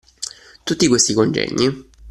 Tutti questi congegni